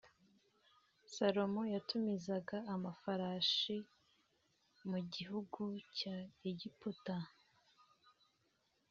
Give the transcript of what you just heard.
Salomo yatumizaga amafarashi mu gihugu cya Egiputa